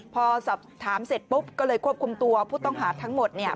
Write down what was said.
พอสอบถามเสร็จปุ๊บก็เลยควบคุมตัวผู้ต้องหาทั้งหมดเนี่ย